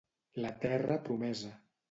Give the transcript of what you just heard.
La terra promesa.